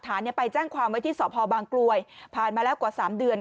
ไปแจ้งความไว้ที่สพบางกลวยผ่านมาแล้วกว่า๓เดือน